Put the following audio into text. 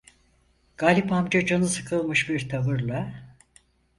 Galip amca canı sıkılmış bir tavırla: